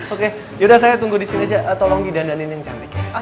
oke yaudah saya tunggu di sini aja tolong didandalin yang cantik